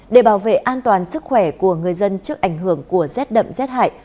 để bảo vệ an toàn sức khỏe của người dân trước ảnh hưởng của rét đậm rét hại